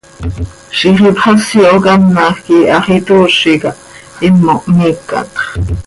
Ziix ipxasi hocanaj quih hax itoozi cah, himo hmiicatx.